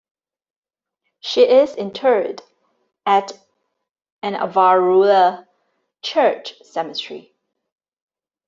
She is interred at an Avarua church cemetery.